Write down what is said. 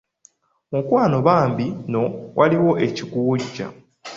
Mukwano bambi nno, waliwo ekikuwujja.